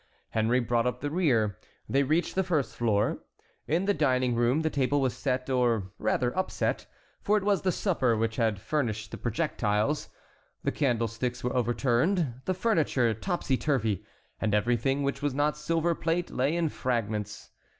Henry brought up the rear. They reached the first floor. In the dining room the table was set or rather upset, for it was the supper which had furnished the projectiles. The candlesticks were overturned, the furniture topsy turvy, and everything which was not silver plate lay in fragments.